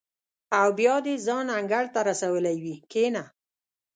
او بیا دې ځان انګړ ته رسولی وي کېنه.